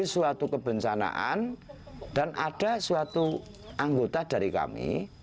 suatu kebencanaan dan ada suatu anggota dari kami